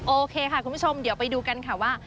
โอเคค่ะคุณผู้ชมเดี๋ยวไปดูกันค่ะว่า